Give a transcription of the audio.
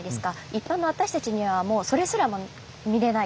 一般の私たちにはもうそれすらも見れない？